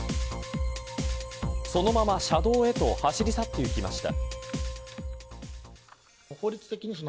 そのまま車道へと走り去っていきました。